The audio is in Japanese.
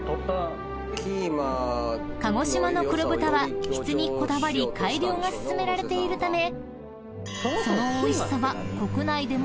［鹿児島の黒豚は質にこだわり改良が進められているためその］